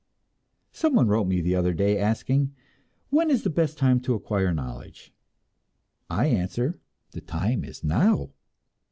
Someone wrote me the other day, asking, "When is the best time to acquire knowledge?" I answer, "The time is now."